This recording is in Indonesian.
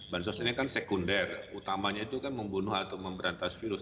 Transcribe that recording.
bansos ini kan sekunder utamanya itu kan membunuh atau memberantas virus